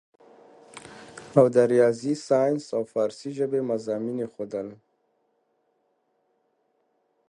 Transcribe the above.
او د رياضي سائنس او فارسي ژبې مضامين ئې ښودل